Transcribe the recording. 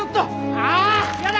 ああ嫌だ！